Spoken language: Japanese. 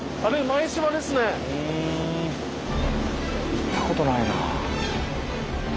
行ったことないな。